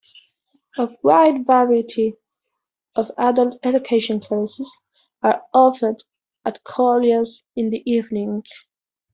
A wide variety of adult education classes are offered at Collyer's in the evenings.